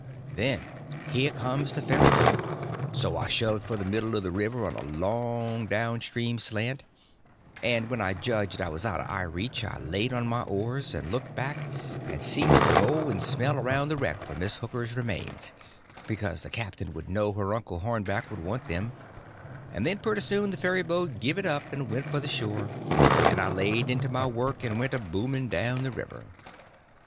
Then here comes the ferryboat; so I shoved for the middle of the river on a long down stream slant; and when I judged I was out of eye reach I laid on my oars, and looked back and see her go and smell around the wreck for Miss Hooker's remainders, because the captain would know her uncle Hornback would want them; and then pretty soon the ferryboat give it up and went for the shore, and I laid into my work and went a booming down the river.